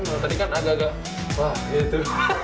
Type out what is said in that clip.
menikmati kan agak agak wah itu